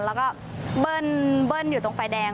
แล้วก็เบิ้ลอยู่ตรงไฟแดง